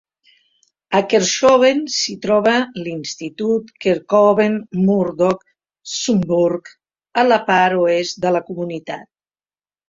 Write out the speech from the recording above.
A Kerkhoven s'hi troba l'institut Kerkhoven-Murdock-Sunburg a la part oest de la comunitat.